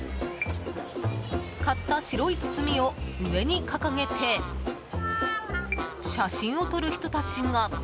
買った白い包みを上に掲げて写真を撮る人たちが。